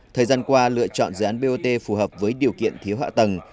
thời gian qua lựa chọn dự án bot phù hợp với điều kiện thiếu hạ tầng